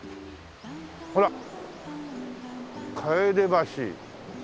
ほら楓橋。